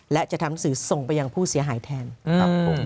และจะทำหนังสือส่งไปยังผู้เสียหายแทนครับผม